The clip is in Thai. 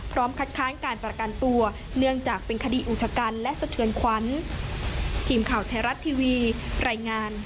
คัดค้านการประกันตัวเนื่องจากเป็นคดีอุชกันและสะเทือนขวัญ